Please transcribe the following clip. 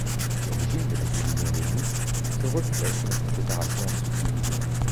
L'origine de la division de Nice se reflète dans sa séparation en subdivisions.